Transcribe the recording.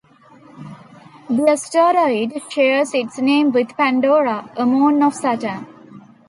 The asteroid shares its name with Pandora, a moon of Saturn.